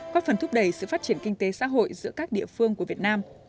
có phần thúc đẩy sự phát triển kinh tế xã hội giữa các địa phương của việt nam